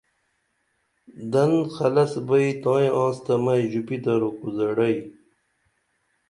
دن حلس بئی تائی آنس تہ مئیس ژُپی درو کُزہ ڈئی